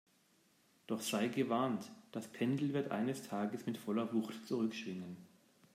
Doch sei gewarnt, das Pendel wird eines Tages mit voller Wucht zurückschwingen!